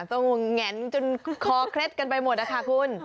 ต้องแง่นจนคอเคล็ดกันไปหมดนะคะคุณ